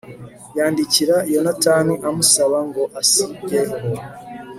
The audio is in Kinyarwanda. yandikira yonatani amusaba ngo asigeho